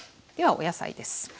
ではお野菜です。